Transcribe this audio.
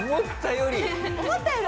思ったより。